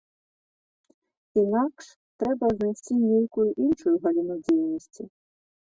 Інакш трэба знайсці нейкую іншую галіну дзейнасці.